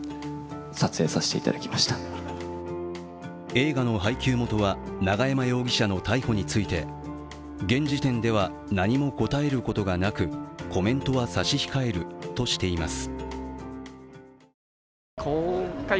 映画の配給元は永山容疑者の逮捕について現時点では何も答えることがなくコメントは差し控えるとしています。